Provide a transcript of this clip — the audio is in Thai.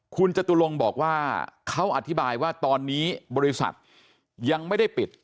คุณจตุลงบอกว่าเขาอธิบายว่าตอนนี้บริษัทยังไม่ได้ปิด